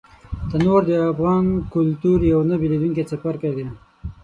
تنور د افغان کلتور یو نه بېلېدونکی څپرکی دی